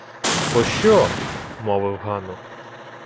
— Пощо? — мовив Гано.